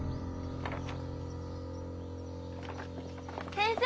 ・先生！